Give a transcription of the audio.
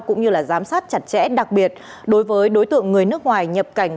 cũng như giám sát chặt chẽ đặc biệt đối với đối tượng người nước ngoài nhập cảnh